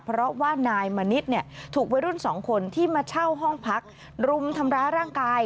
เพราะว่านายมณิษฐ์เนี่ยถูกวัยรุ่นสองคนที่มาเช่าห้องพักรุมทำร้ายร่างกาย